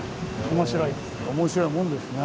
面白いもんですね。